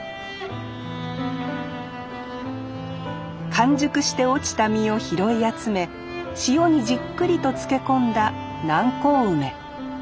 完熟して落ちた実を拾い集め塩にじっくりと漬け込んだ南高梅。